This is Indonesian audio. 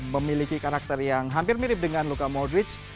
memiliki karakter yang hampir mirip dengan luka modric